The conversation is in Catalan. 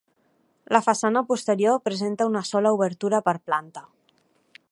La façana posterior presenta una sola obertura per planta.